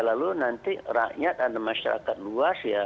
lalu nanti rakyat ada masyarakat luas ya